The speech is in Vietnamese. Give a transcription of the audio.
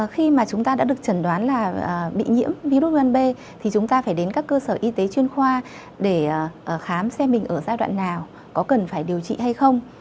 khi mà chúng ta đã được chẩn đoán là bị nhiễm virus gan b thì chúng ta phải đến các cơ sở y tế chuyên khoa để khám xem mình ở giai đoạn nào có cần phải điều trị hay không